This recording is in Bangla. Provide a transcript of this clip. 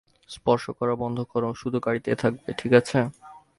স্পর্শ করা বন্ধ কর শুধু গাড়িতেই থাকবে, ঠিক আছে?